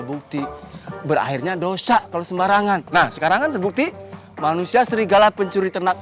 bukti berakhirnya dosa kalau sembarangan nah sekarang kan terbukti manusia serigala pencuri ternak